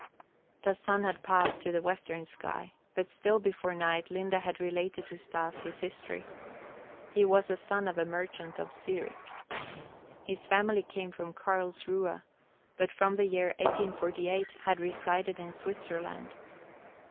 The sun had passed to the western sky, but still before night Linde had related to Stas his history. He was a son of a merchant of Zurich. His family came from Karlsruhe, but from the year 1848 had resided in Switzerland.